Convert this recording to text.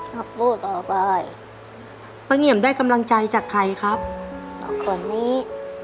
ถ้าสู้ต่อไปป้าเงี่ยมได้กำลังใจจากใครครับต่อกล่องนี้